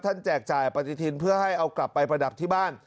แจกจ่ายปฏิทินเพื่อให้เอากลับไปประดับที่บ้าน